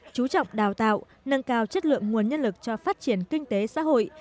chú trọng đào tạo nâng cao chất lượng nguồn nhân lực cho phát triển kinh tế xã hội